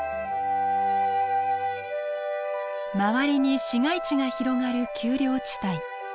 周りに市街地が広がる丘陵地帯。